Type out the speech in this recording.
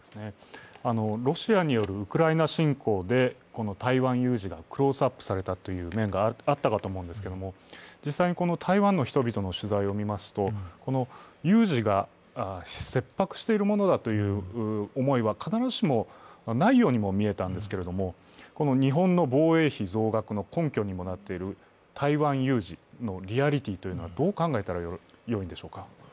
ロシアによるウクライナ侵攻で台湾有事がクローズアップされたという面があったかと思うんですけど、実際に、この台湾の人々の取材を見ますと有事が切迫しているものだという思いは、必ずしもないようにも見えたんですけれども、日本の防衛費増額の根拠にもなっている台湾有事のリアリティーというのはどう考えたらよいのでしょうか。